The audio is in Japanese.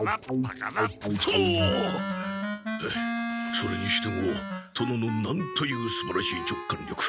それにしても殿のなんというすばらしい直感力。